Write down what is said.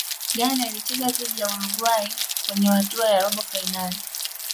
ghana ilicheza dhidi ya uruguay kwenye hatua ya robo fainali